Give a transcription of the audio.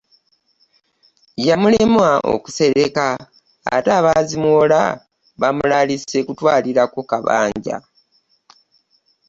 Yamulema okusereka ate abaazimuwola bamulaalise kutwalirako kabanja.